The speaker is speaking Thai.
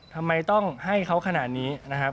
ทำไมต้องให้เขาขนาดนี้นะครับ